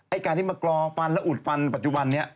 ไอ้การที่มากรอฟันและอุดฟันปัจจุบันเนี่ย